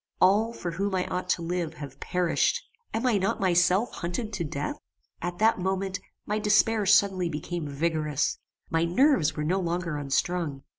All, for whom I ought to live, have perished. Am I not myself hunted to death? At that moment, my despair suddenly became vigorous. My nerves were no longer unstrung.